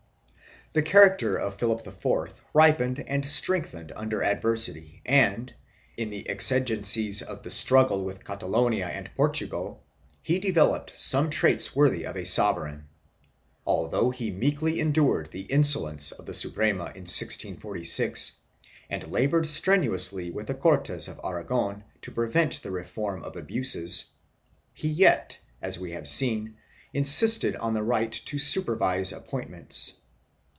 The character of Philip IV ripened and strengthened under adversity and, in the exigencies of the struggle with Catalonia and Portugal, he developed some traits worthy of a sovereign. Although he meekly endured the insolence of the Suprema in 1646 and labored strenuously with the Cortes of Aragon to prevent the reform of abuses, he yet, as we have seen, insisted on the right to supervise appointments.